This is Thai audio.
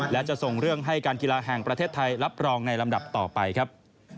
และจะส่งเรื่องให้การกีฬาแห่งประเทศไทยรับรองในลำดับต่อไปครับ